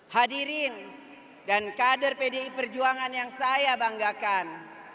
hadirin dan kader pdi perjuangan yang saya banggakan